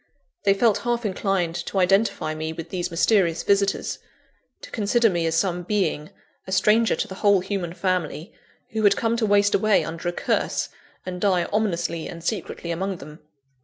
They felt half inclined to identify me with these mysterious visitors to consider me as some being, a stranger to the whole human family, who had come to waste away under a curse, and die ominously and secretly among them.